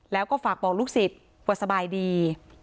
แล้วก็ฝากบอกลูกศิษย์ว่าสบายดี